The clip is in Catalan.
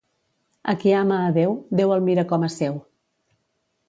A qui ama a Déu, Déu el mira com a seu.